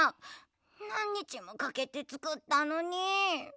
なんにちもかけてつくったのに。